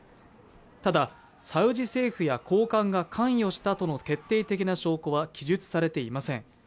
ただ、サウジ政府や高官が関与したとの決定的な証拠は記述されていません。